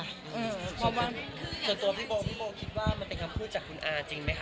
เพราะว่าส่วนตัวพี่โบพี่โบคิดว่ามันเป็นคำพูดจากคุณอาจริงไหมค